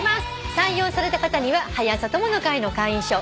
採用された方には「はや朝友の会」の会員証そして。